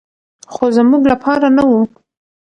خو زموږ لپاره نه و.